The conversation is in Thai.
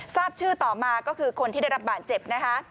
ทราบชื่อต่อมาก็คือคนที่ได้รับบาดเจ็บนะคะ